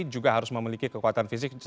juga harus memiliki kekuatan fisik